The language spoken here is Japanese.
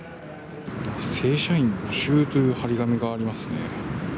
正社員募集という貼り紙がありますね。